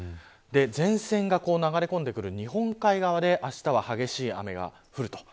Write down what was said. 前線が流れ込んでくる日本海側であしたは激しい雨が降ると。